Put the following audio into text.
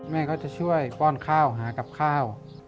แม่ก็จะช่วยป้อนข้าวหากับข้าว